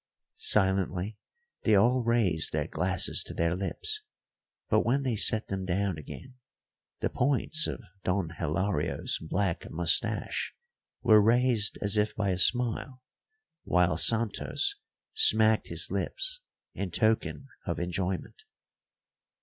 Silently they all raised their glasses to their lips, but when they set them down again, the points of Don Hilario's black moustache were raised as if by a smile, while Santos smacked his lips in token of enjoyment.